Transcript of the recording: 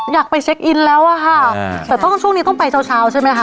อยากไปเช็คอินแล้วอะค่ะแต่ต้องช่วงนี้ต้องไปเช้าเช้าใช่ไหมคะ